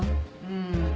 うん。